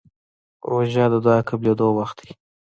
روژه د دعا قبولېدو وخت دی.